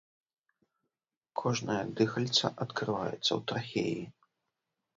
Кожнае дыхальца адкрываецца ў трахеі.